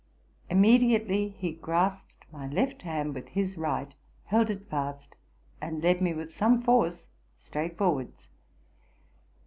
Immediately he grasped my left hand with his right, held it fast, and led me with some force straight forwards.